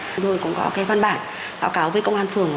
chúng tôi cũng có cái văn bản báo cáo với công an phường